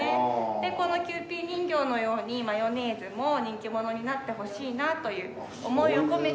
でこのキユーピー人形のようにマヨネーズも人気者になってほしいなという思いを込めて。